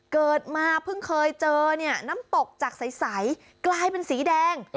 เกิดมาเพิ่งเคยเจอเนี่ยน้ำตกจากใสกลายเป็นสีแดง